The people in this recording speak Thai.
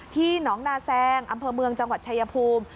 หนองนาแซงอำเภอเมืองจังหวัดชายภูมิ